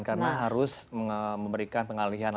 karena harus memberikan pengalihan